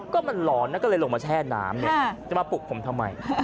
ก็มันร้อนนะก็เลยลงมาแช่น้ำเนี่ยจะมาปลุกผมทำไม